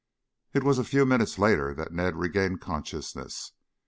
It was a few minutes later that Ned regained consciousness.